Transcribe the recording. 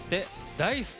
大好き。